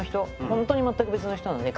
本当に全く別の人なので。